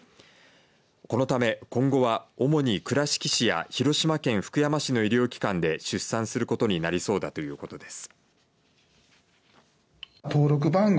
このため今後は主に倉敷市や広島県福山市の医療機関で出産することになりそうだということです。